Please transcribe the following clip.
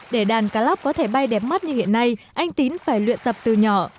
để đàn cá lóc có thể bay đẹp mắt như hiện nay anh tín phải luyện tập từ nhỏ